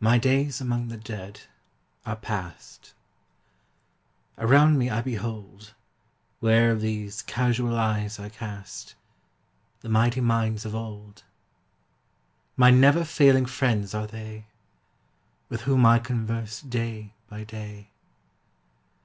My days among the Dead are past; Around me I behold, Where'er these casual eyes are cast, The mighty minds of old: My never failing friends are they, With whom I converse day by day.